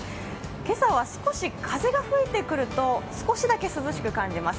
今朝は少し風が吹いてくると、少しだけ涼しく感じます。